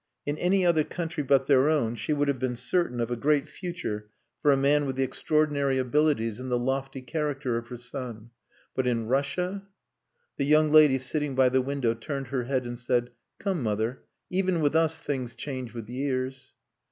In any other country but their own she would have been certain of a great future for a man with the extraordinary abilities and the lofty character of her son but in Russia.... The young lady sitting by the window turned her head and said "Come, mother. Even with us things change with years."